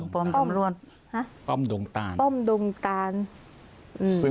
ป้อมดงตาน